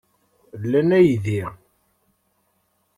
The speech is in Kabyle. Lan aydi?